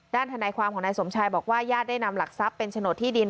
ทนายความของนายสมชายบอกว่าญาติได้นำหลักทรัพย์เป็นโฉนดที่ดิน